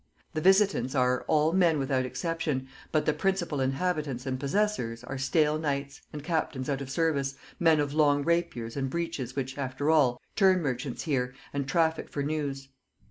The visitants are, all men without exception, but the principal inhabitants and possessors are, stale knights, and captains out of service, men of long rapiers and breeches which, after all, turn merchants here, and traffic for news.